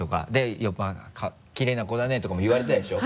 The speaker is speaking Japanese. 「きれいな子だね」とかも言われたでしょ？